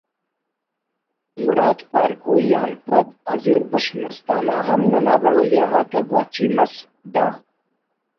مراد پارکوئی آن پد حضور بخش مستانہ ہم ننا رویہ غاتا گو اچی مس دا